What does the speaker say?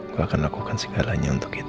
gue akan lakukan segalanya untuk itu